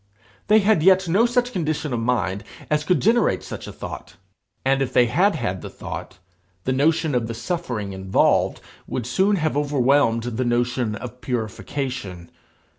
They had yet no such condition of mind as could generate such a thought. And if they had had the thought, the notion of the suffering involved would soon have overwhelmed the notion of purification.